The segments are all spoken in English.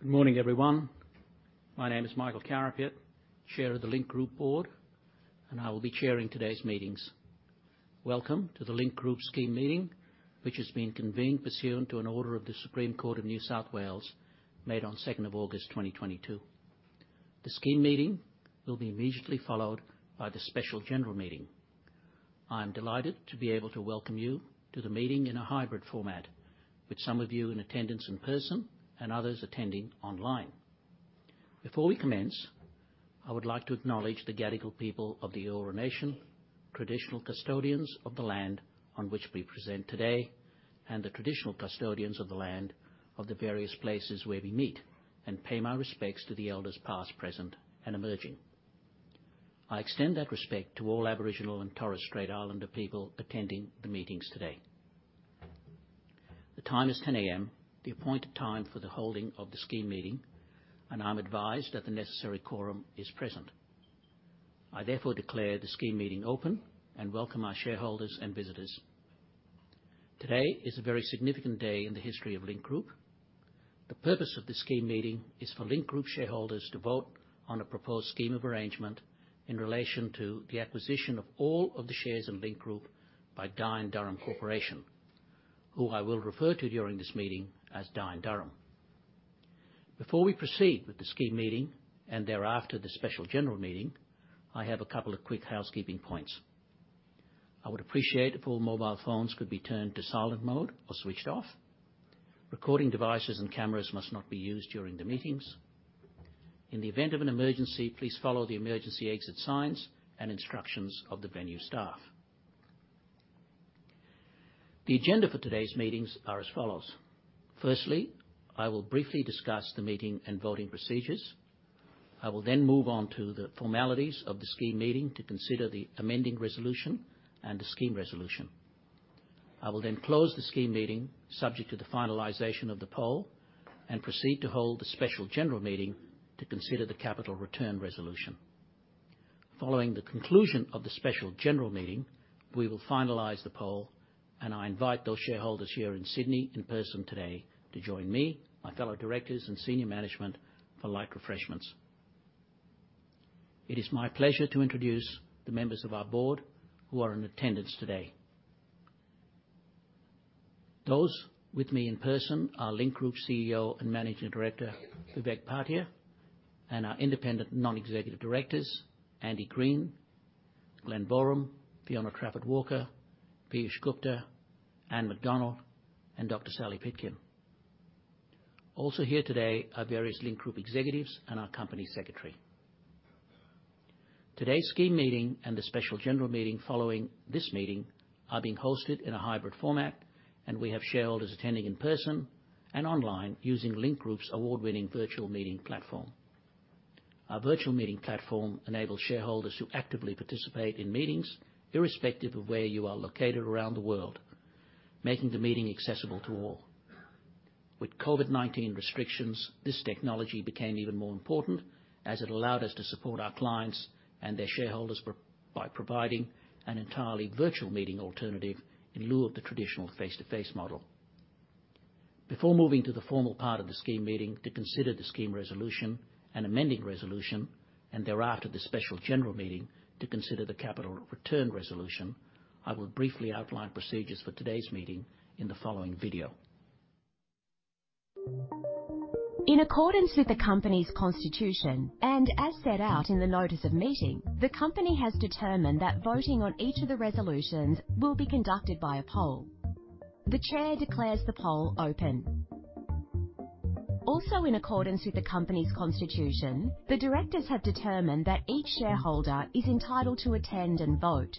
Good morning, everyone. My name is Michael Carapiet, Chair of the Link Group Board, and I will be chairing today's meetings. Welcome to the Link Group Scheme Meeting, which is being convened pursuant to an order of the Supreme Court of New South Wales, made on second of August 2022. The scheme meeting will be immediately followed by the special general meeting. I am delighted to be able to welcome you to the meeting in a hybrid format, with some of you in attendance in person and others attending online. Before we commence, I would like to acknowledge the Gadigal people of the Eora Nation, traditional custodians of the land on which we present today, and the traditional custodians of the land of the various places where we meet, and pay my respects to the elders past, present, and emerging. I extend that respect to all Aboriginal and Torres Strait Islander people attending the meetings today. The time is 10:00 A.M., the appointed time for the holding of the scheme meeting, and I'm advised that the necessary quorum is present. I therefore declare the scheme meeting open and welcome our shareholders and visitors. Today is a very significant day in the history of Link Group. The purpose of this scheme meeting is for Link Group shareholders to vote on a proposed scheme of arrangement in relation to the acquisition of all of the shares in Link Group by Dye & Durham Corporation, who I will refer to during this meeting as Dye & Durham. Before we proceed with the scheme meeting, and thereafter the special general meeting, I have a couple of quick housekeeping points. I would appreciate if all mobile phones could be turned to silent mode or switched off. Recording devices and cameras must not be used during the meetings. In the event of an emergency, please follow the emergency exit signs and instructions of the venue staff. The agenda for today's meetings are as follows. Firstly, I will briefly discuss the meeting and voting procedures. I will then move on to the formalities of the scheme meeting to consider the amending resolution and the scheme resolution. I will then close the scheme meeting, subject to the finalization of the poll, and proceed to hold the special general meeting to consider the capital return resolution. Following the conclusion of the special general meeting, we will finalize the poll, and I invite those shareholders here in Sydney in person today to join me, my fellow directors and senior management for light refreshments. It is my pleasure to introduce the members of our board who are in attendance today. Those with me in person are Link Group CEO and Managing Director, Vivek Bhatia, and our independent non-executive directors, Glen Boreham, Fiona Trafford-Walker, Peeyush Gupta, Anne McDonald, and Dr. Sally Pitkin. Also here today are various Link Group executives and our company secretary. Today's scheme meeting and the special general meeting following this meeting are being hosted in a hybrid format, and we have shareholders attending in person and online using Link Group's award-winning virtual meeting platform. Our virtual meeting platform enables shareholders to actively participate in meetings irrespective of where you are located around the world, making the meeting accessible to all. With COVID-19 restrictions, this technology became even more important as it allowed us to support our clients and their shareholders by providing an entirely virtual meeting alternative in lieu of the traditional face-to-face model. Before moving to the formal part of the scheme meeting to consider the scheme resolution and amending resolution, and thereafter the special general meeting to consider the capital return resolution, I will briefly outline procedures for today's meeting in the following video. In accordance with the company's constitution, and as set out in the notice of meeting, the company has determined that voting on each of the resolutions will be conducted by a poll. The Chair declares the poll open. Also, in accordance with the company's constitution, the directors have determined that each shareholder is entitled to attend and vote.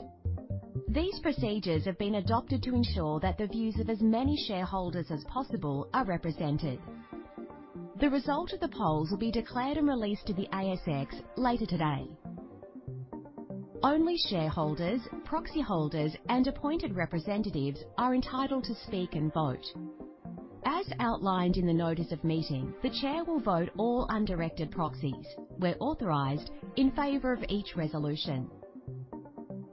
These procedures have been adopted to ensure that the views of as many shareholders as possible are represented. The result of the polls will be declared and released to the ASX later today. Only shareholders, proxy holders, and appointed representatives are entitled to speak and vote. As outlined in the notice of meeting, the Chair will vote all undirected proxies where authorized in favor of each resolution.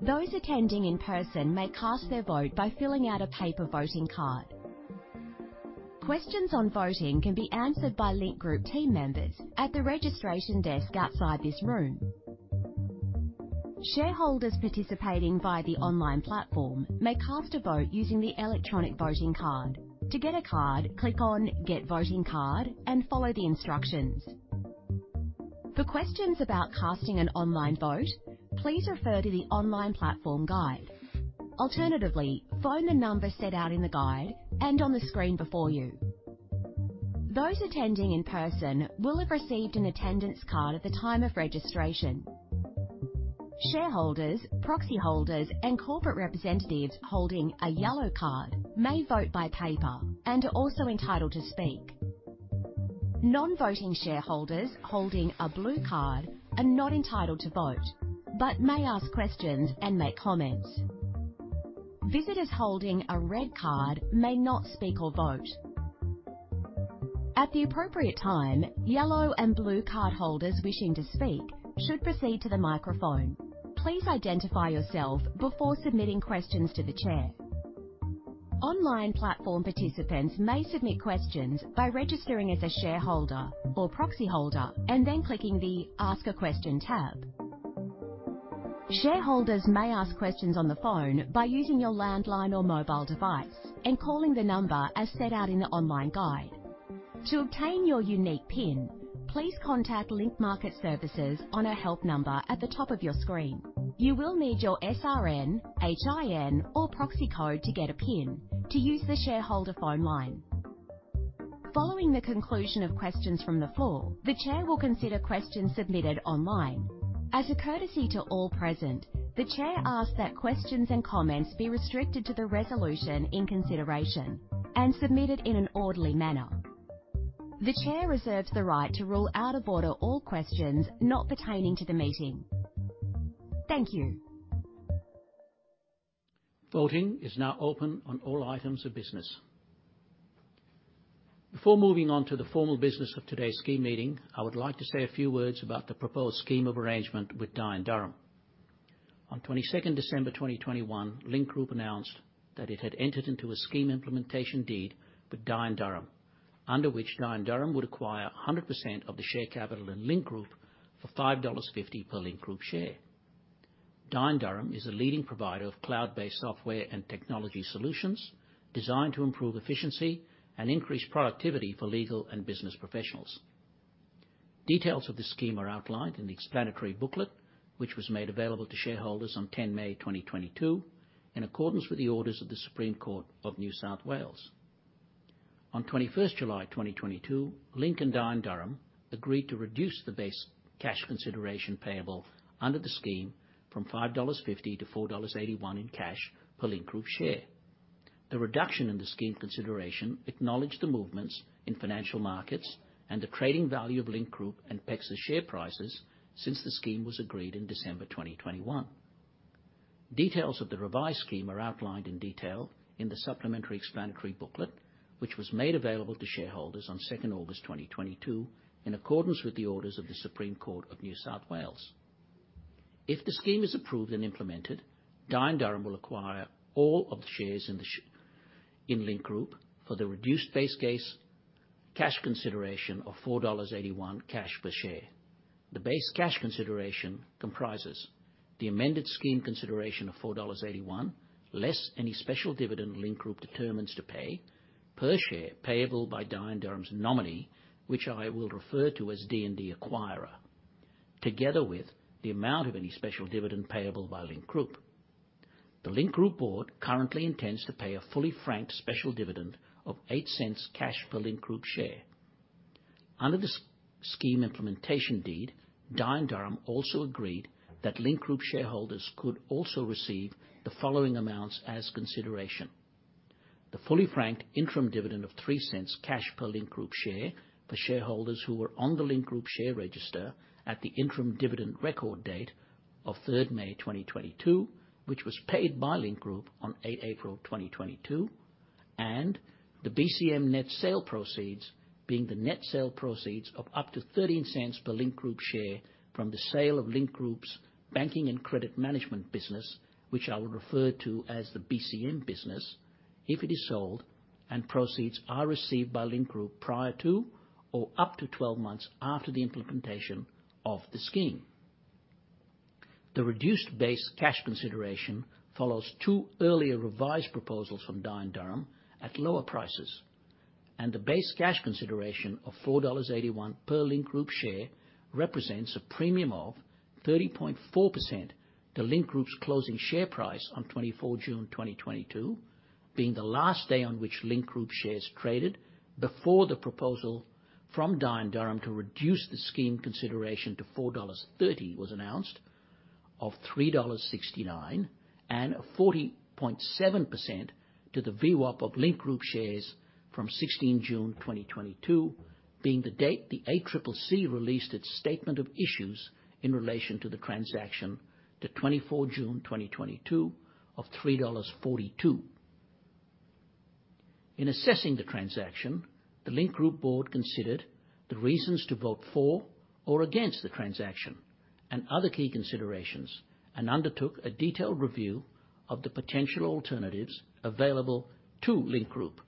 Those attending in person may cast their vote by filling out a paper voting card. Questions on voting can be answered by Link Group team members at the registration desk outside this room. Shareholders participating via the online platform may cast a vote using the electronic voting card. To get a card, click on Get Voting Card and follow the instructions. For questions about casting an online vote, please refer to the online platform guide. Alternatively, phone the number set out in the guide and on the screen before you. Those attending in person will have received an attendance card at the time of registration. Shareholders, proxy holders, and corporate representatives holding a yellow card may vote by paper and are also entitled to speak. Non-voting shareholders holding a blue card are not entitled to vote, but may ask questions and make comments. Visitors holding a red card may not speak or vote. At the appropriate time, yellow and blue cardholders wishing to speak should proceed to the microphone. Please identify yourself before submitting questions to the Chair. Online platform participants may submit questions by registering as a shareholder or proxy holder and then clicking the Ask a Question tab. Shareholders may ask questions on the phone by using your landline or mobile device and calling the number as set out in the online guide. To obtain your unique PIN, please contact Link Market Services on our help number at the top of your screen. You will need your SRN, HIN, or proxy code to get a PIN to use the shareholder phone line. Following the conclusion of questions from the floor, the Chair will consider questions submitted online. As a courtesy to all present, the Chair asks that questions and comments be restricted to the resolution in consideration and submitted in an orderly manner. The Chair reserves the right to rule out of order all questions not pertaining to the meeting. Thank you. Voting is now open on all items of business. Before moving on to the formal business of today's scheme meeting, I would like to say a few words about the proposed scheme of arrangement with Dye & Durham. On 22 December 2021, Link Group announced that it had entered into a scheme implementation deed with Dye & Durham, under which Dye & Durham would acquire 100% of the share capital in Link Group for 5.50 dollars per Link Group share. Dye & Durham is a leading provider of cloud-based software and technology solutions designed to improve efficiency and increase productivity for legal and business professionals. Details of the scheme are outlined in the explanatory booklet, which was made available to shareholders on 10 May 2022 in accordance with the orders of the Supreme Court of New South Wales. On 21 July 2022, Link Group and Dye & Durham agreed to reduce the base cash consideration payable under the scheme from 5.50-4.81 dollars in cash per Link Group share. The reduction in the scheme consideration acknowledged the movements in financial markets and the trading value of Link Group and PEXA share prices since the scheme was agreed in December 2021. Details of the revised scheme are outlined in detail in the supplementary explanatory booklet, which was made available to shareholders on 2 August 2022 in accordance with the orders of the Supreme Court of New South Wales. If the scheme is approved and implemented, Dye & Durham will acquire all of the shares in Link Group for the reduced base cash consideration of 4.81 dollars cash per share. The base cash consideration comprises the amended scheme consideration of 4.81 dollars, less any special dividend Link Group determines to pay per share payable by Dye & Durham's nominee, which I will refer to as D&D Acquirer, together with the amount of any special dividend payable by Link Group. The Link Group board currently intends to pay a fully franked special dividend of 0.08 cash per Link Group share. Under the scheme implementation deed, Dye & Durham also agreed that Link Group shareholders could also receive the following amounts as consideration. The fully franked interim dividend of 0.03 cash per Link Group share for shareholders who were on the Link Group share register at the interim dividend record date of third May 2022, which was paid by Link Group on eighth April 2022. The BCM net sale proceeds being the net sale proceeds of up to 0.13 per Link Group share from the sale of Link Group's Banking & Credit Management business, which I will refer to as the BCM business, if it is sold and proceeds are received by Link Group prior to or up to 12 months after the implementation of the scheme. The reduced base cash consideration follows two earlier revised proposals from Dye & Durham at lower prices. The base cash consideration of 4.81 dollars per Link Group share represents a premium of 30.4% to Link Group's closing share price on 24th June 2022, being the last day on which Link Group shares traded before the proposal from Dye & Durham to reduce the scheme consideration to 4.30 dollars was announced of 3.69 dollars and a 40.7% to the VWAP of Link Group shares from 16th June 2022, being the date the ACCC released its statement of issues in relation to the transaction to 24th June 2022 of 3.42 dollars. In assessing the transaction, the Link Group board considered the reasons to vote for or against the transaction and other key considerations and undertook a detailed review of the potential alternatives available to Link Group.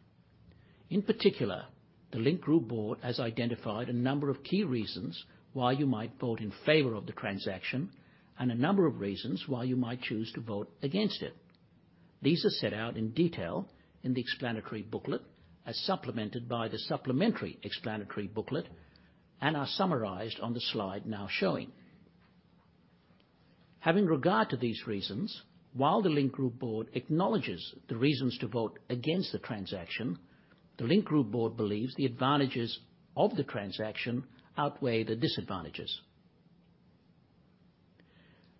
In particular, the Link Group board has identified a number of key reasons why you might vote in favor of the transaction and a number of reasons why you might choose to vote against it. These are set out in detail in the explanatory booklet as supplemented by the supplementary explanatory booklet and are summarized on the slide now showing. Having regard to these reasons, while the Link Group board acknowledges the reasons to vote against the transaction, the Link Group board believes the advantages of the transaction outweigh the disadvantages.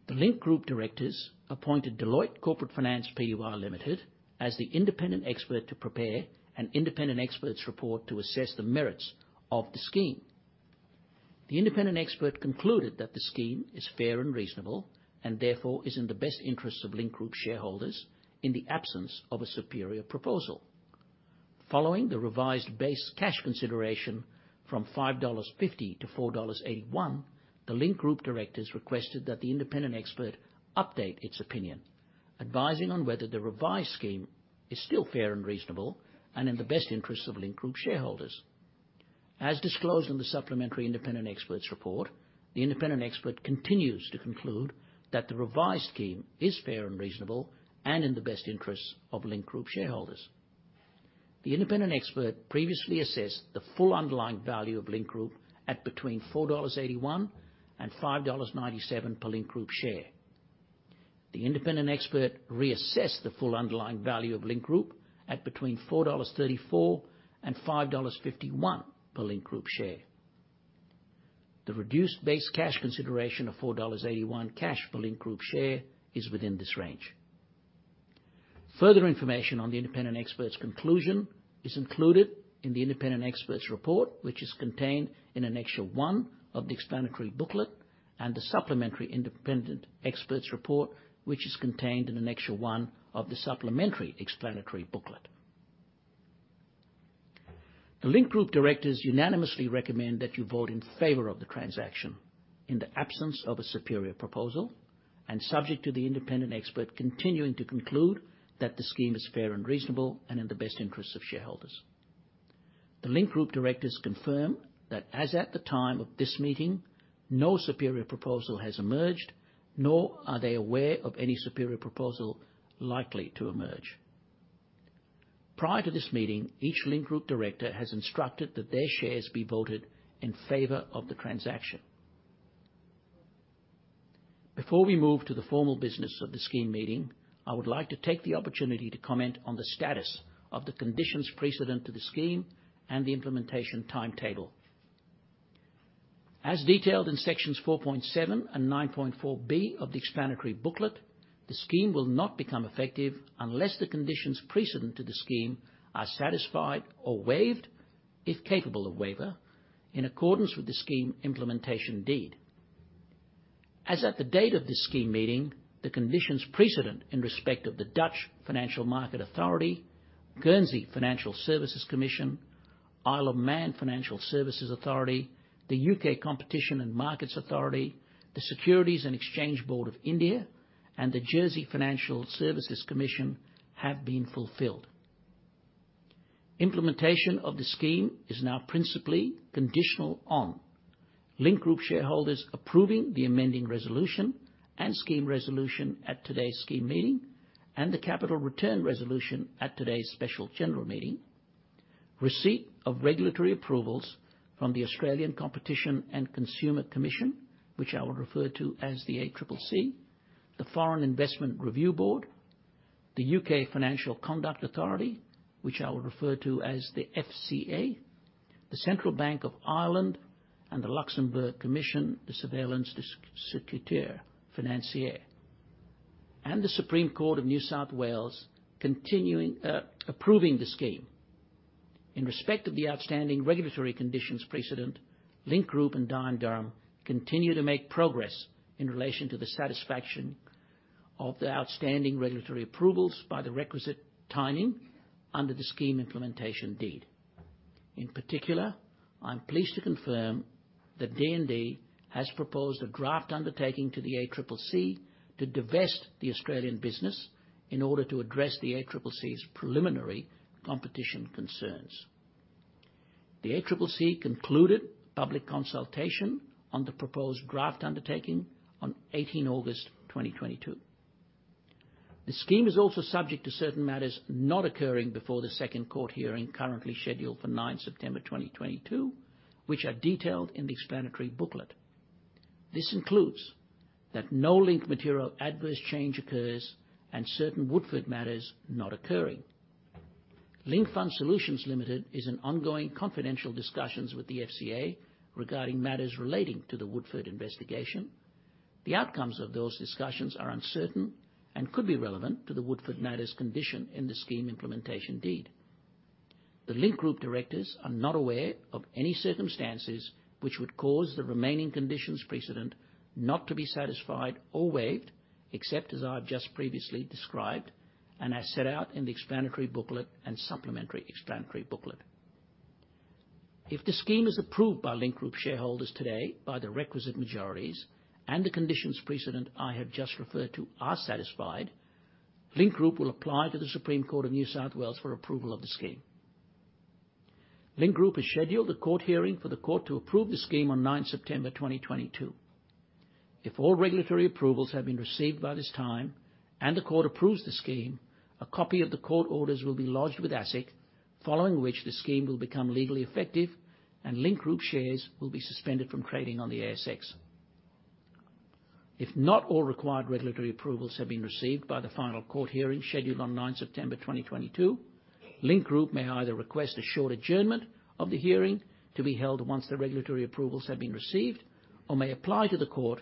The Link Group directors appointed Deloitte Corporate Finance Pty Limited as the independent expert to prepare an independent expert's report to assess the merits of the scheme. The independent expert concluded that the scheme is fair and reasonable and therefore is in the best interest of Link Group shareholders in the absence of a superior proposal. Following the revised base cash consideration from 5.50-4.81 dollars, the Link Group directors requested that the independent expert update its opinion, advising on whether the revised scheme is still fair and reasonable and in the best interest of Link Group shareholders. As disclosed in the supplementary independent expert's report, the independent expert continues to conclude that the revised scheme is fair and reasonable and in the best interest of Link Group shareholders. The independent expert previously assessed the full underlying value of Link Group at between 4.81 dollars and 5.97 dollars per Link Group share. The independent expert reassessed the full underlying value of Link Group at between 4.34 dollars and 5.51 dollars per Link Group share. The reduced base cash consideration of 4.81 dollars cash per Link Group share is within this range. Further information on the independent expert's conclusion is included in the independent expert's report, which is contained in annexure 1 of the explanatory booklet and the supplementary independent expert's report, which is contained in annexure 1 of the supplementary explanatory booklet. The Link Group directors unanimously recommend that you vote in favor of the transaction in the absence of a superior proposal and subject to the independent expert continuing to conclude that the scheme is fair and reasonable and in the best interest of shareholders. The Link Group directors confirm that as at the time of this meeting, no superior proposal has emerged, nor are they aware of any superior proposal likely to emerge. Prior to this meeting, each Link Group director has instructed that their shares be voted in favor of the transaction. Before we move to the formal business of the scheme meeting, I would like to take the opportunity to comment on the status of the conditions precedent to the scheme and the implementation timetable. As detailed in sections 4.7 and 9.4B of the explanatory booklet, the scheme will not become effective unless the conditions precedent to the scheme are satisfied or waived, if capable of waiver, in accordance with the scheme implementation deed. As at the date of this scheme meeting, the conditions precedent in respect of the Netherlands Authority for the Financial Markets, Guernsey Financial Services Commission, Isle of Man Financial Services Authority, the U.K. Competition and Markets Authority, the Securities and Exchange Board of India, and the Jersey Financial Services Commission have been fulfilled. Implementation of the scheme is now principally conditional on Link Group shareholders approving the amending resolution and scheme resolution at today's scheme meeting, and the capital return resolution at today's special general meeting. Receipt of regulatory approvals from the Australian Competition and Consumer Commission, which I will refer to as the ACCC, the Foreign Investment Review Board, the U.K. Financial Conduct Authority, which I will refer to as the FCA, the Central Bank of Ireland, and the Luxembourg Commission de Surveillance du Secteur Financier, and the Supreme Court of New South Wales continuing to approve the scheme. In respect of the outstanding regulatory conditions precedent, Link Group and Dye & Durham continue to make progress in relation to the satisfaction of the outstanding regulatory approvals by the requisite timing under the scheme implementation deed. In particular, I'm pleased to confirm that D&D has proposed a draft undertaking to the ACCC to divest the Australian business in order to address the ACCC's preliminary competition concerns. The ACCC concluded public consultation on the proposed draft undertaking on 18 August 2022. The scheme is also subject to certain matters not occurring before the second court hearing, currently scheduled for 9 September 2022, which are detailed in the explanatory booklet. This includes that no Link material adverse change occurs and certain Woodford matters not occurring. Link Fund Solutions Limited is in ongoing confidential discussions with the FCA regarding matters relating to the Woodford investigation. The outcomes of those discussions are uncertain and could be relevant to the Woodford matters condition in the scheme implementation deed. The Link Group directors are not aware of any circumstances which would cause the remaining conditions precedent not to be satisfied or waived, except as I've just previously described and as set out in the explanatory booklet and supplementary explanatory booklet. If the scheme is approved by Link Group shareholders today by the requisite majorities and the conditions precedent I have just referred to are satisfied, Link Group will apply to the Supreme Court of New South Wales for approval of the scheme. Link Group has scheduled a court hearing for the court to approve the scheme on September 9, 2022. If all regulatory approvals have been received by this time and the court approves the scheme, a copy of the court orders will be lodged with ASIC, following which the scheme will become legally effective and Link Group shares will be suspended from trading on the ASX. If not all required regulatory approvals have been received by the final court hearing scheduled on 9 September 2022, Link Group may either request a short adjournment of the hearing to be held once the regulatory approvals have been received or may apply to the court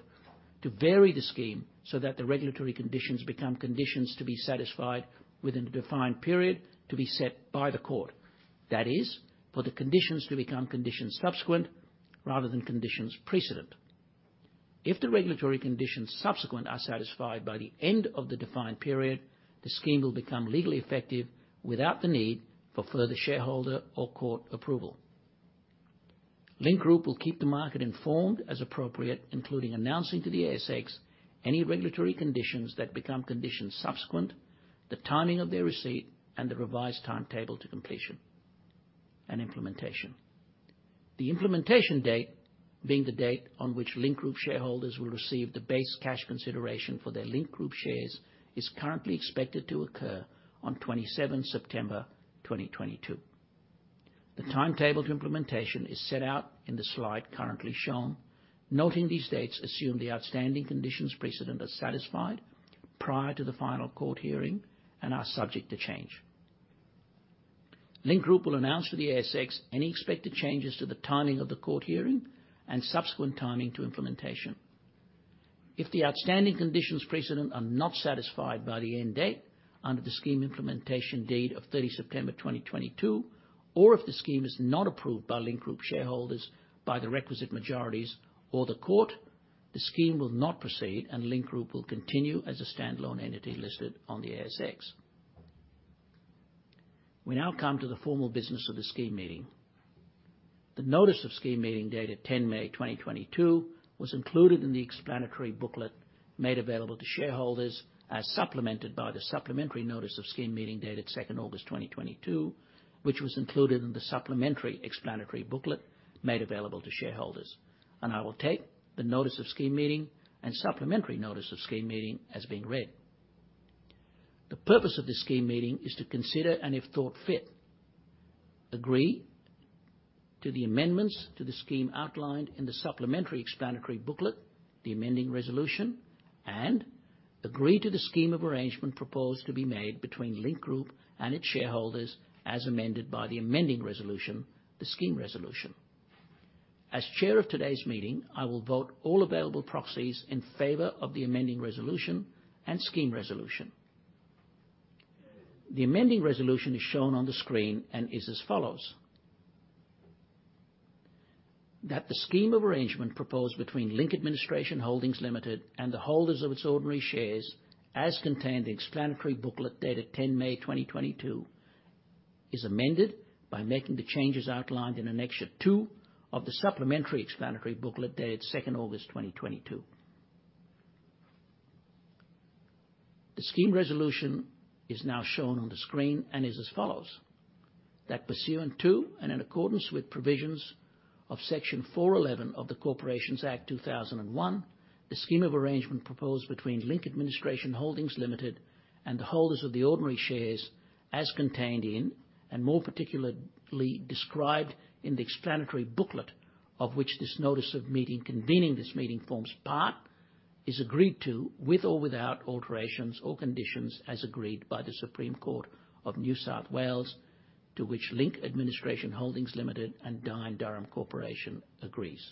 to vary the scheme so that the regulatory conditions become conditions to be satisfied within the defined period to be set by the court. That is, for the conditions to become conditions subsequent rather than conditions precedent. If the regulatory conditions subsequent are satisfied by the end of the defined period, the scheme will become legally effective without the need for further shareholder or court approval. Link Group will keep the market informed as appropriate, including announcing to the ASX any regulatory conditions that become conditions subsequent, the timing of their receipt, and the revised timetable to completion and implementation. The implementation date, being the date on which Link Group shareholders will receive the base cash consideration for their Link Group shares, is currently expected to occur on 27 September 2022. The timetable to implementation is set out in the slide currently shown. Noting these dates assume the outstanding conditions precedent are satisfied prior to the final court hearing and are subject to change. Link Group will announce to the ASX any expected changes to the timing of the court hearing and subsequent timing to implementation. If the outstanding conditions precedent are not satisfied by the end date under the scheme implementation deed of 30 September 2022, or if the scheme is not approved by Link Group shareholders by the requisite majorities or the court, the scheme will not proceed, and Link Group will continue as a standalone entity listed on the ASX. We now come to the formal business of the scheme meeting. The notice of scheme meeting dated 10 May 2022 was included in the explanatory booklet made available to shareholders as supplemented by the supplementary notice of scheme meeting dated 2 August 2022, which was included in the supplementary explanatory booklet made available to shareholders. I will take the notice of scheme meeting and supplementary notice of scheme meeting as being read. The purpose of the scheme meeting is to consider and if thought fit, agree to the amendments to the scheme outlined in the supplementary explanatory booklet, the amending resolution, and agree to the scheme of arrangement proposed to be made between Link Group and its shareholders as amended by the amending resolution, the scheme resolution. As chair of today's meeting, I will vote all available proxies in favor of the amending resolution and scheme resolution. The amending resolution is shown on the screen and is as follows: That the scheme of arrangement proposed between Link Administration Holdings Limited and the holders of its ordinary shares as contained in the explanatory booklet dated 10 May 2022 is amended by making the changes outlined in Annexure 2 of the supplementary explanatory booklet dated 2 August 2022. The scheme resolution is now shown on the screen and is as follows: That pursuant to, and in accordance with provisions of Section 411 of the Corporations Act 2001, the scheme of arrangement proposed between Link Administration Holdings Limited and the holders of the ordinary shares as contained in, and more particularly described in the explanatory booklet of which this notice of meeting convening this meeting forms part, is agreed to, with or without alterations or conditions, as agreed by the Supreme Court of New South Wales, to which Link Administration Holdings Limited and Dye & Durham Corporation agrees.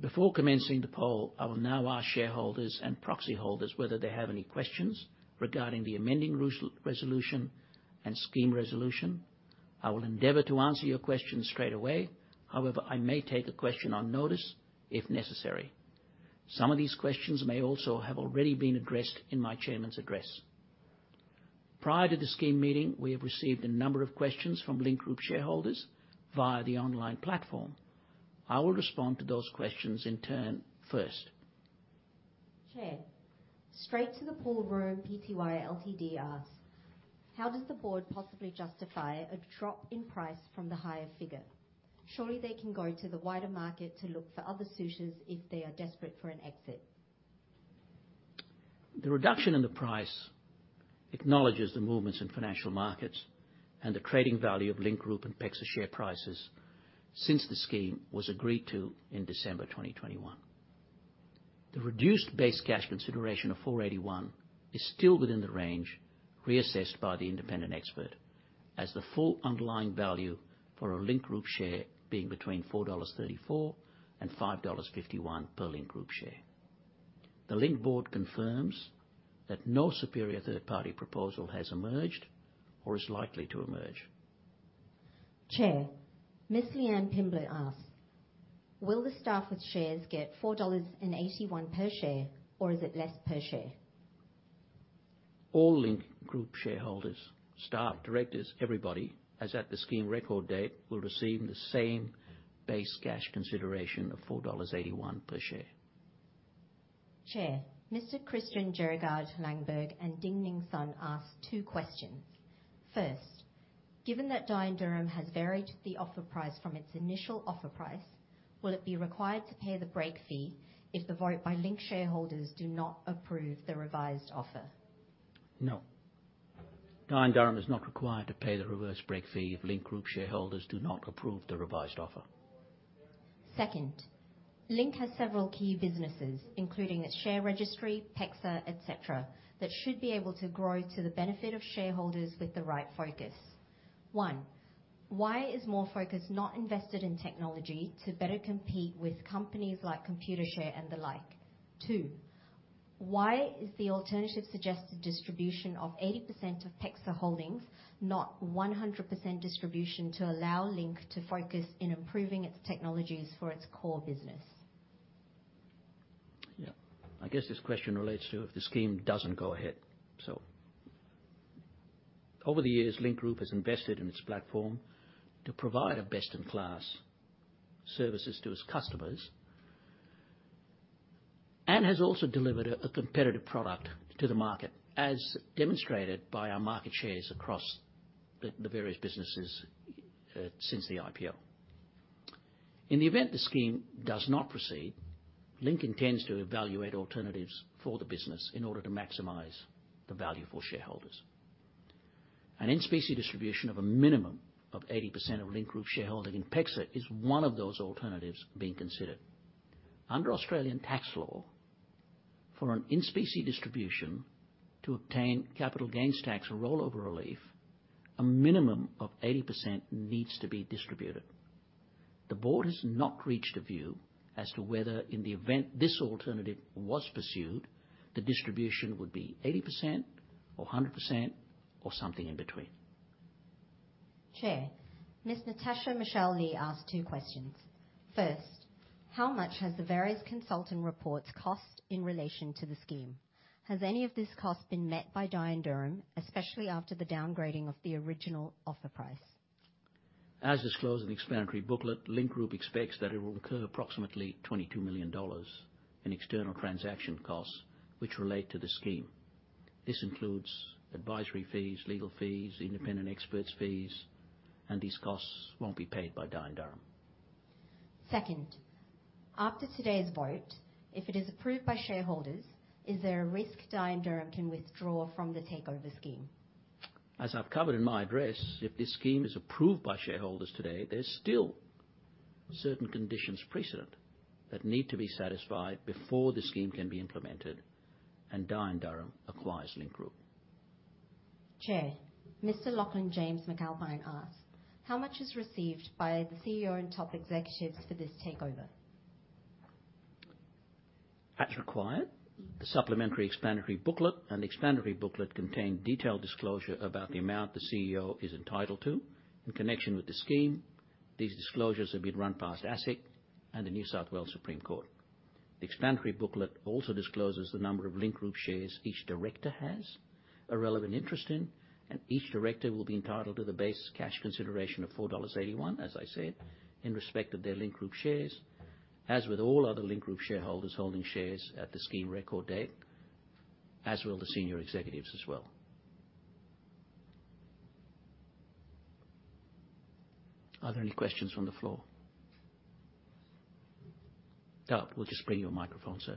Before commencing the poll, I will now ask shareholders and proxy holders whether they have any questions regarding the amending resolution and scheme resolution. I will endeavor to answer your questions straight away. However, I may take a question on notice if necessary. Some of these questions may also have already been addressed in my chairman's address. Prior to the scheme meeting, we have received a number of questions from Link Group shareholders via the online platform. I will respond to those questions in turn first. Chair, The Pole Room Pty Ltd asks, "How does the board possibly justify a drop in price from the higher figure? Surely they can go to the wider market to look for other suitors if they are desperate for an exit?" The reduction in the price acknowledges the movements in financial markets and the trading value of Link Group and PEXA share prices since the scheme was agreed to in December 2021. The reduced base cash consideration of 4.81 is still within the range reassessed by the independent expert as the full underlying value for a Link Group share being between 4.34 dollars and 5.51 dollars per Link Group share. The Link board confirms that no superior third-party proposal has emerged or is likely to emerge. Chair, Miss Leanne Pimblett asks, "Will the staff with shares get 4.81 dollars per share, or is it less per share?" All Link Group shareholders, staff, directors, everybody, as at the scheme record date, will receive the same base cash consideration of 4.81 dollars per share. Chair, Mr. Christian Jørgensen Langberg and Ding Ning Sun ask two questions. First, given that Dye & Durham has varied the offer price from its initial offer price, will it be required to pay the break fee if the vote by Link shareholders do not approve the revised offer? No. Dye & Durham is not required to pay the reverse break fee if Link Group shareholders do not approve the revised offer. Second, Link has several key businesses, including its share registry, PEXA, et cetera, that should be able to grow to the benefit of shareholders with the right focus. One, why is more focus not invested in technology to better compete with companies like Computershare and the like? Two, why is the alternative suggested distribution of 80% of PEXA Holdings not 100% distribution to allow Link to focus on improving its technologies for its core business? Yeah. I guess this question relates to if the scheme doesn't go ahead. Over the years, Link Group has invested in its platform to provide a best-in-class services to its customers and has also delivered a competitive product to the market, as demonstrated by our market shares across the various businesses since the IPO. In the event the scheme does not proceed, Link intends to evaluate alternatives for the business in order to maximize the value for shareholders. An in-specie distribution of a minimum of 80% of Link Group shareholding in PEXA is one of those alternatives being considered. Under Australian tax law, for an in-specie distribution to obtain capital gains tax rollover relief, a minimum of 80% needs to be distributed. The board has not reached a view as to whether in the event this alternative was pursued, the distribution would be 80% or 100% or something in between. Chair, Ms. Natasha Michelle Leigh asked two questions. First, how much has the various consultant reports cost in relation to the scheme? Has any of this cost been met by Dye & Durham, especially after the downgrading of the original offer price? As disclosed in the explanatory booklet, Link Group expects that it will incur approximately 22 million dollars in external transaction costs which relate to the scheme. This includes advisory fees, legal fees, independent experts fees, and these costs won't be paid by Dye & Durham. Second, after today's vote, if it is approved by shareholders, is there a risk Dye & Durham can withdraw from the takeover scheme? As I've covered in my address, if this scheme is approved by shareholders today, there's still certain conditions precedent that need to be satisfied before the scheme can be implemented and Dye & Durham acquires Link Group. Chair, Mr. Lachlan James McAlpine asks, how much is received by the CEO and top executives for this takeover? As required, the supplementary explanatory booklet and explanatory booklet contain detailed disclosure about the amount the CEO is entitled to in connection with the scheme. These disclosures have been run past ASIC and the Supreme Court of New South Wales. The explanatory booklet also discloses the number of Link Group shares each director has a relevant interest in, and each director will be entitled to the base cash consideration of 4.81 dollars, as I said, in respect of their Link Group shares, as with all other Link Group shareholders holding shares at the scheme record date, as will the senior executives as well. Are there any questions from the floor? Oh, we'll just bring you a microphone, sir.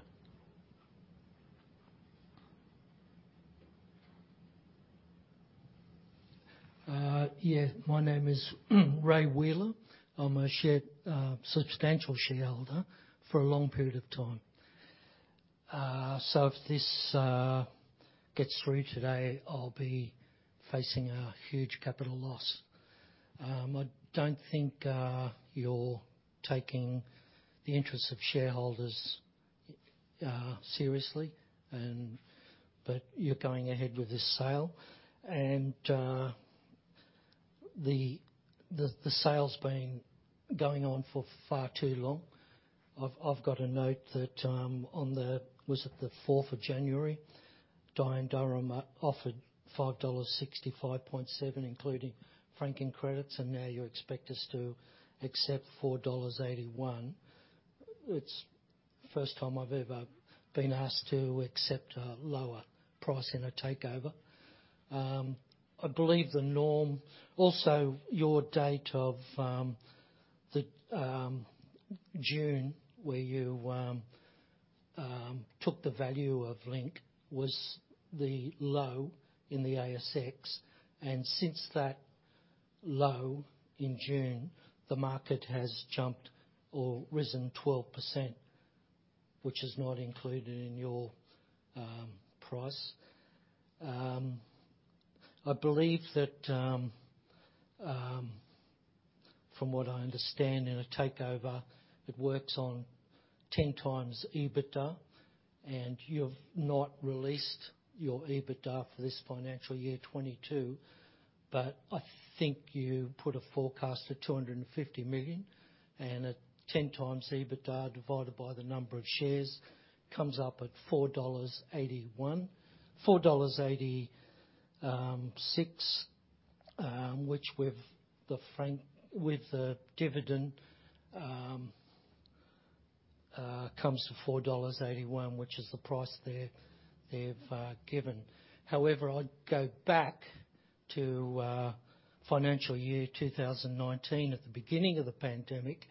Yeah. My name is Ray Wheeler. I'm a substantial shareholder for a long period of time. So if this gets through today, I'll be facing a huge capital loss. I don't think you're taking the interest of shareholders seriously, but you're going ahead with this sale. The sale's been going on for far too long. I've got a note that on the fourth of January. Dye & Durham offered 5.657 dollars, including franking credits, and now you expect us to accept 4.81 dollars. It's first time I've ever been asked to accept a lower price in a takeover. I believe the norm. Also, your date of the June, where you took the value of Link was the low in the ASX. Since that low in June, the market has jumped or risen 12%, which is not included in your price. I believe that from what I understand in a takeover, it works on 10x EBITDA, and you've not released your EBITDA for this financial year 2022, but I think you put a forecast of 250 million. At 10x EBITDA divided by the number of shares comes up at 4.81 dollars, which with the dividend comes to 4.81 dollars, which is the price they've given. However, I'd go back to financial year 2019 at the beginning of the pandemic,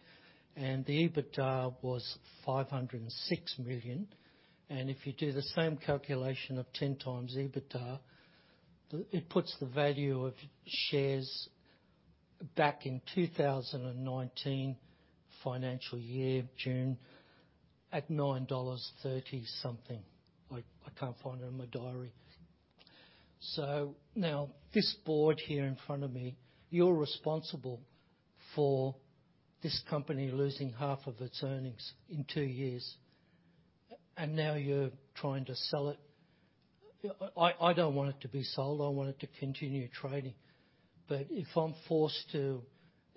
and the EBITDA was 506 million. If you do the same calculation of 10 times EBITDA, it puts the value of shares back in 2019 financial year, June, at 9.30-something dollars. I can't find it in my diary. Now this board here in front of me, you're responsible for this company losing half of its earnings in 2 years. And now you're trying to sell it. I don't want it to be sold. I want it to continue trading. If I'm forced to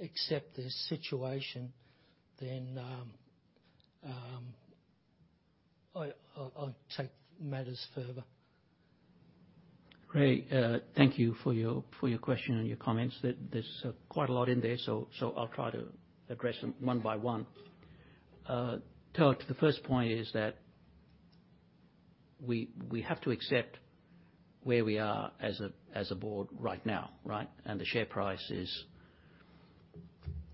accept this situation, then I'll take matters further. Ray, thank you for your question and your comments. There's quite a lot in there, so I'll try to address them one by one. The first point is that we have to accept where we are as a board right now, right? The share price is,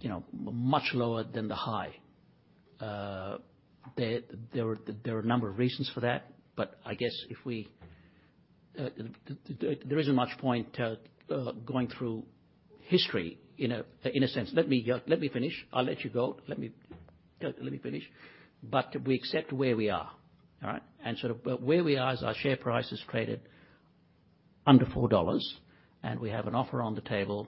you know, much lower than the high. There are a number of reasons for that. I guess there isn't much point going through history in a sense. Let me finish. I'll let you go. Let me finish. We accept where we are. All right? Sort of where we are is our share price has traded under 4 dollars, and we have an offer on the table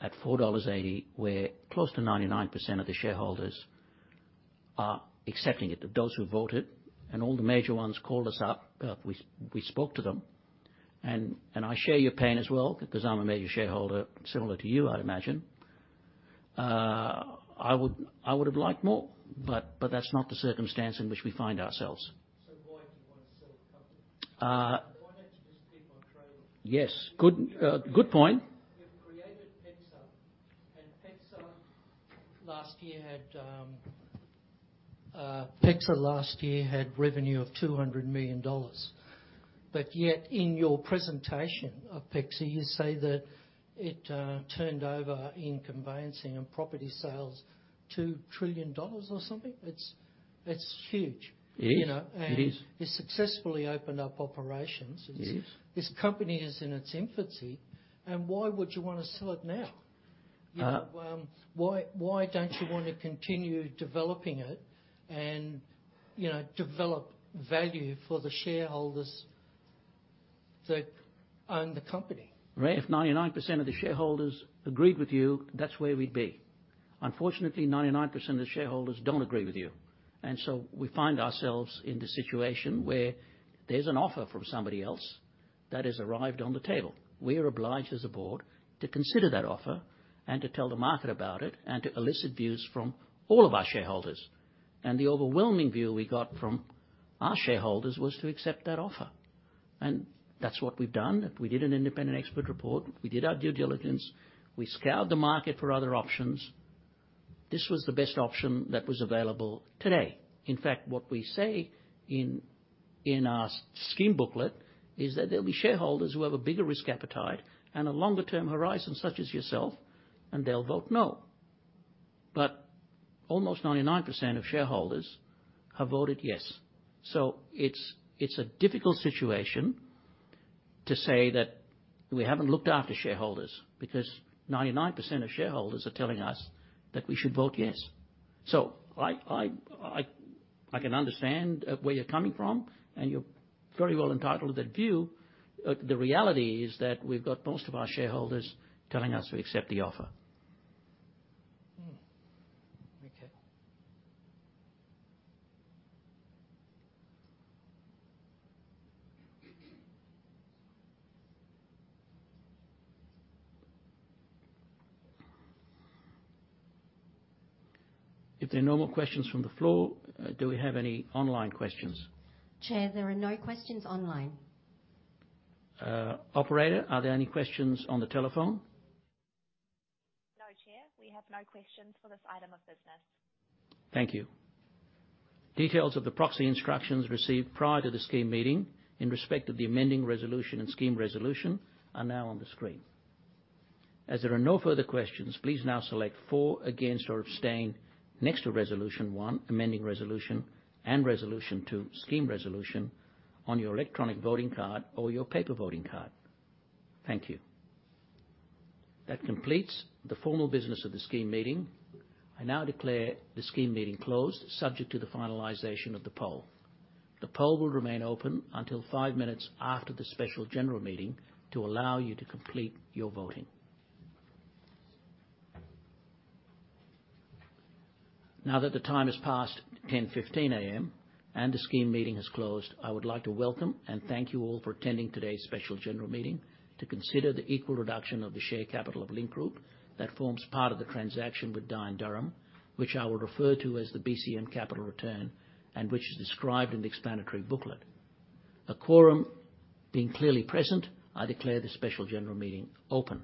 at 4.80 dollars, where close to 99% of the shareholders are accepting it. Those who voted, and all the major ones called us up. We spoke to them. I share your pain as well because I'm a major shareholder, similar to you, I'd imagine. I would've liked more, but that's not the circumstance in which we find ourselves. Why do you wanna sell the company? Uh- Why don't you just keep on trading? Yes. Good point. You've created PEXA, and PEXA last year had revenue of 200 million dollars. Yet in your presentation of PEXA, you say that it turned over in conveyancing and property sales 2 trillion dollars or something. It's huge. It is. You know, you successfully opened up operations. It is. This company is in its infancy, and why would you wanna sell it now? Uh- You know, why don't you wanna continue developing it and, you know, develop value for the shareholders that own the company? Ray, if 99% of the shareholders agreed with you, that's where we'd be. Unfortunately, 99% of the shareholders don't agree with you. We find ourselves in the situation where there's an offer from somebody else that has arrived on the table. We're obliged as a board to consider that offer and to tell the market about it and to elicit views from all of our shareholders. The overwhelming view we got from our shareholders was to accept that offer. That's what we've done. We did an independent expert report. We did our due diligence. We scoured the market for other options. This was the best option that was available today. In fact, what we say in our scheme booklet is that there'll be shareholders who have a bigger risk appetite and a longer-term horizon, such as yourself, and they'll vote no. Almost 99% of shareholders have voted yes. It's a difficult situation to say that we haven't looked after shareholders. Because 99% of shareholders are telling us that we should vote yes. I can understand where you're coming from, and you're very well entitled to that view. The reality is that we've got most of our shareholders telling us to accept the offer. Okay. If there are no more questions from the floor, do we have any online questions? Chair, there are no questions online. Operator, are there any questions on the telephone? No, Chair. We have no questions for this item of business. Thank you. Details of the proxy instructions received prior to the scheme meeting in respect of the amending resolution and scheme resolution are now on the screen. As there are no further questions, please now select for against or abstain next to resolution one, amending resolution, and resolution two, scheme resolution, on your electronic voting card or your paper voting card. Thank you. That completes the formal business of the scheme meeting. I now declare the scheme meeting closed subject to the finalization of the poll. The poll will remain open until five minutes after the special general meeting to allow you to complete your voting. Now that the time has passed 10:15 A.M. and the scheme meeting has closed, I would like to welcome and thank you all for attending today's special general meeting to consider the equal reduction of the share capital of Link Group that forms part of the transaction with Dye & Durham, which I will refer to as the BCM Capital Return and which is described in the explanatory booklet. A quorum being clearly present, I declare the special general meeting open.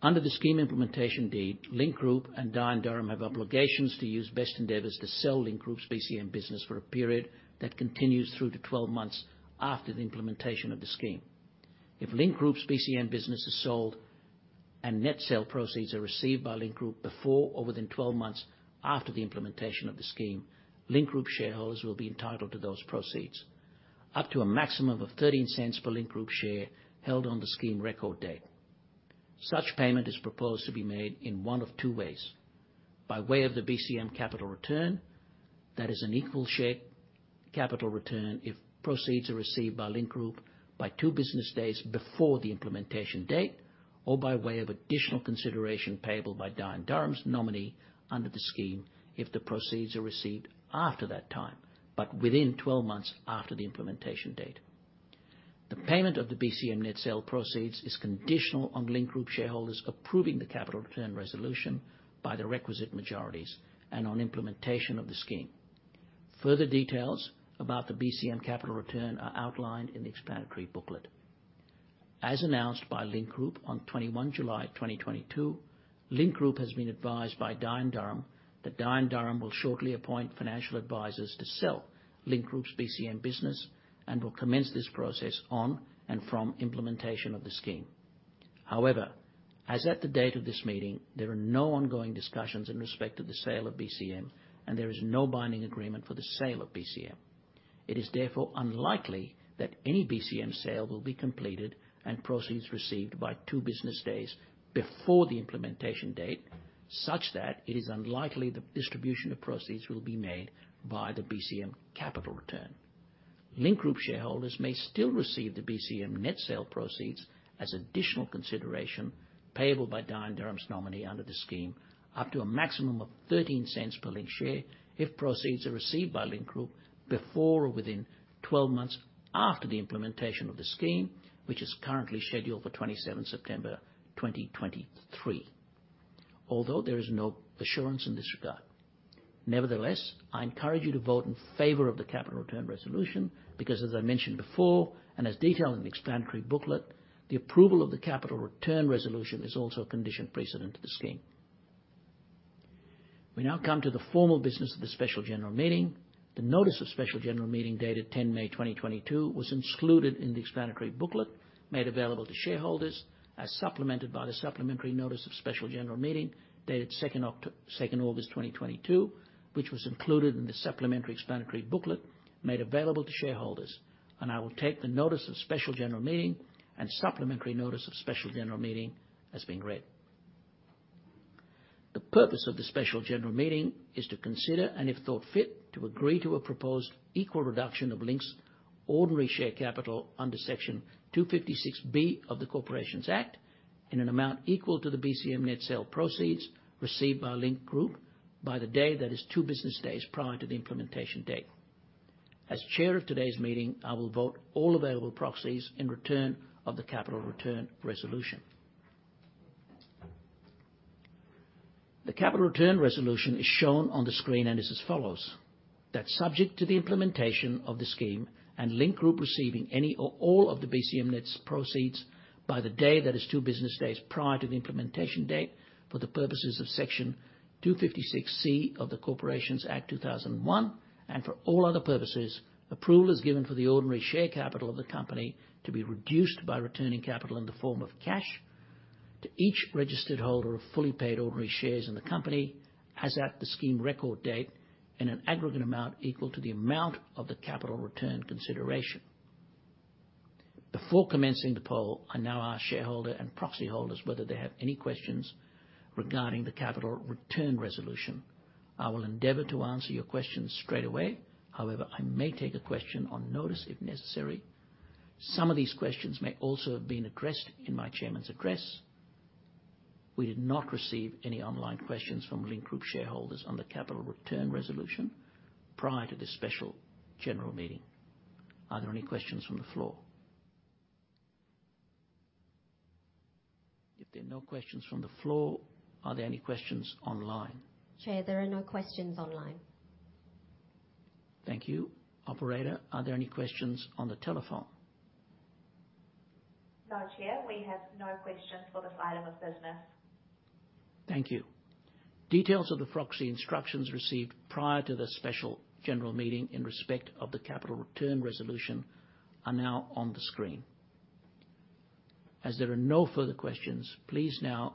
Under the scheme implementation deed, Link Group and Dye & Durham have obligations to use best endeavors to sell Link Group's BCM business for a period that continues through to 12 months after the implementation of the scheme. If Link Group's BCM business is sold and net sale proceeds are received by Link Group before or within 12 months after the implementation of the scheme, Link Group shareholders will be entitled to those proceeds up to a maximum of 0.13 per Link Group share held on the scheme record date. Such payment is proposed to be made in one of two ways. By way of the BCM capital return, that is an equal share capital return if proceeds are received by Link Group by 2 business days before the implementation date or by way of additional consideration payable by Dye & Durham's nominee under the scheme if the proceeds are received after that time, but within 12 months after the implementation date. The payment of the BCM net sale proceeds is conditional on Link Group shareholders approving the capital return resolution by the requisite majorities and on implementation of the scheme. Further details about the BCM capital return are outlined in the explanatory booklet. As announced by Link Group on 21 July 2022, Link Group has been advised by Dye & Durham that Dye & Durham will shortly appoint financial advisors to sell Link Group's BCM business and will commence this process on and from implementation of the scheme. However, as at the date of this meeting, there are no ongoing discussions in respect to the sale of BCM and there is no binding agreement for the sale of BCM. It is therefore unlikely that any BCM sale will be completed and proceeds received by 2 business days before the implementation date, such that it is unlikely the distribution of proceeds will be made by the BCM capital return. Link Group shareholders may still receive the BCM net sale proceeds as additional consideration payable by Dye & Durham's nominee under the scheme, up to a maximum of 0.13 per Link share if proceeds are received by Link Group before or within 12 months after the implementation of the scheme, which is currently scheduled for 27 September 2023, although there is no assurance in this regard. Nevertheless, I encourage you to vote in favor of the capital return resolution because as I mentioned before, and as detailed in the explanatory booklet, the approval of the capital return resolution is also a condition precedent to the scheme. We now come to the formal business of the special general meeting. The notice of special general meeting dated 10 May 2022 was included in the explanatory booklet made available to shareholders as supplemented by the supplementary notice of special general meeting dated 2 August 2022, which was included in the supplementary explanatory booklet made available to shareholders, and I will take the notice of special general meeting and supplementary notice of special general meeting as being read. The purpose of the special general meeting is to consider and if thought fit, to agree to a proposed equal reduction of Link's ordinary share capital under Section 256B of the Corporations Act in an amount equal to the BCM net sale proceeds received by Link Group by the day that is 2 business days prior to the implementation date. As chair of today's meeting, I will vote all available proxies in return of the capital return resolution. The capital return resolution is shown on the screen and is as follows, that subject to the implementation of the scheme and Link Group receiving any or all of the BCM net proceeds by the day that is two business days prior to the implementation date for the purposes of Section 256C of the Corporations Act 2001 and for all other purposes, approval is given for the ordinary share capital of the company to be reduced by returning capital in the form of cash to each registered holder of fully paid ordinary shares in the company as at the scheme record date in an aggregate amount equal to the amount of the capital return consideration. Before commencing the poll, I now ask shareholder and proxy holders whether they have any questions regarding the capital return resolution. I will endeavor to answer your questions straight away. However, I may take a question on notice if necessary. Some of these questions may also have been addressed in my chairman's address. We did not receive any online questions from Link Group shareholders on the capital return resolution prior to this special general meeting. Are there any questions from the floor? If there are no questions from the floor, are there any questions online? Chair, there are no questions online. Thank you. Operator, are there any questions on the telephone? No, Chair, we have no questions for this item of business. Thank you. Details of the proxy instructions received prior to the special general meeting in respect of the capital return resolution are now on the screen. As there are no further questions, please now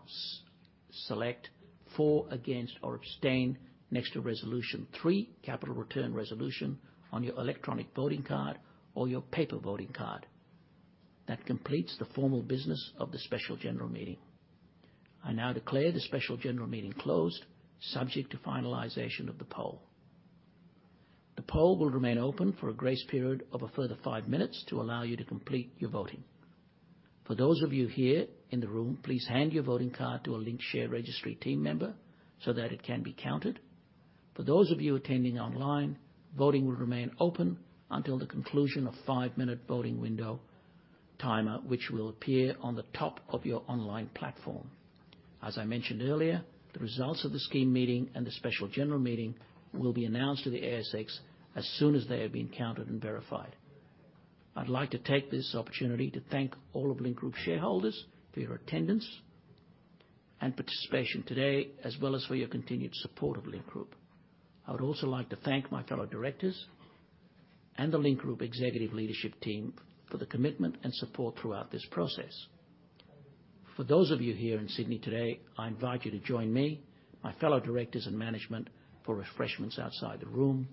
select for, against, or abstain next to resolution three, capital return resolution, on your electronic voting card or your paper voting card. That completes the formal business of the special general meeting. I now declare the special general meeting closed subject to finalization of the poll. The poll will remain open for a grace period of a further five minutes to allow you to complete your voting. For those of you here in the room, please hand your voting card to a Link share registry team member so that it can be counted. For those of you attending online, voting will remain open until the conclusion of five-minute voting window timer, which will appear on the top of your online platform. As I mentioned earlier, the results of the scheme meeting and the special general meeting will be announced to the ASX as soon as they have been counted and verified. I'd like to take this opportunity to thank all of Link Group shareholders for your attendance and participation today as well as for your continued support of Link Group. I would also like to thank my fellow directors and the Link Group executive leadership team for the commitment and support throughout this process. For those of you here in Sydney today, I invite you to join me, my fellow directors and management for refreshments outside the room.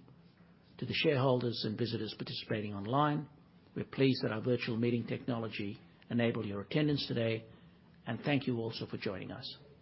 To the shareholders and visitors participating online, we're pleased that our virtual meeting technology enabled your attendance today, and thank you also for joining us.